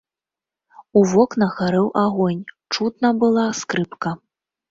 У вокнах гарэў агонь, чутна была скрыпка.